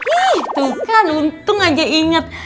ih tuh kan untung aja inget